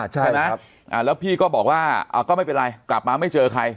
ใช่ไหมแล้วพี่ก็บอกว่าก็ไม่เป็นไรกลับมาไม่เจอใคร